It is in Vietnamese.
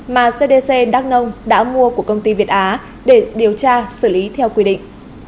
mà cdc đắk nông đã mua của công ty việt á để điều tra xử lý theo quy định